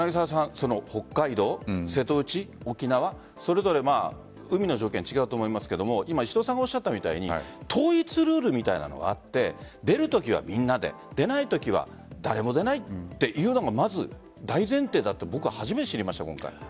北海道、瀬戸内、沖縄それぞれ海の条件違うと思いますが今、石戸さんがおっしゃったみたいに統一ルールみたいなのがあって出るときはみんなで出ないときは誰も出ないというのもまず大前提だと初めて知りました。